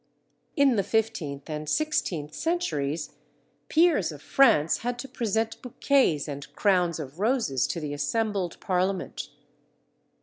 In the fifteenth and sixteenth centuries, peers of France had to present bouquets and crowns of roses to the assembled Parliament.